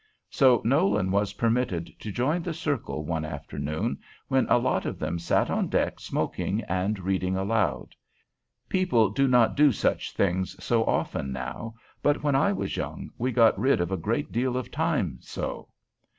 So Nolan was permitted to join the circle one afternoon when a lot of them sat on deck smoking and reading aloud. People do not do such things so often now; but when I was young we got rid of a great deal of time so.